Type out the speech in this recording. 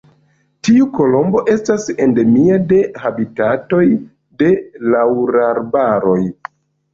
Tiu kolombo estas endemia de habitatoj de laŭrarbaroj.